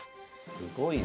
すごいな。